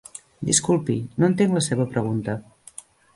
Disculpi, no entenc la seva pregunta.